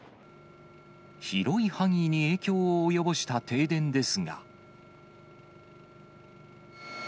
広い範囲に影響を及ぼした停電ですが。